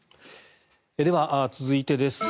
では続いてです。